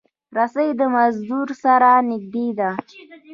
رسۍ د مزدور سره نږدې ده.